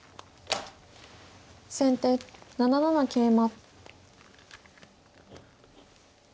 先手７七桂馬。